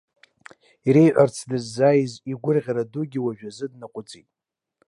Иреиҳәарц дыззааиз, игәырӷьара дугьы, уажәазы днаҟәыҵит.